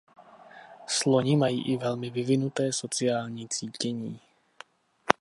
Sloni mají i velmi vyvinuté sociální cítění.